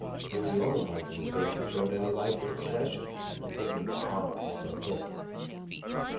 They were the only parts of his face that showed any life or expression, the pigment upon it was so thick.